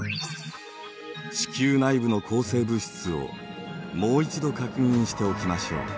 地球内部の構成物質をもう一度確認しておきましょう。